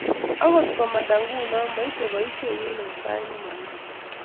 Angot mamande nguno, maite boishenyu eng sait ne makaat.